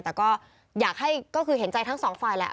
แต่ก็อยากให้ก็คือเห็นใจทั้งสองฝ่ายแหละ